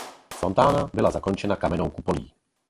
Fontána byla zakončena kamennou kupolí.